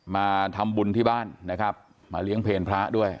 มาทำบุญที่บ้านนะครับมาเลี้ยงเพลพระด้วย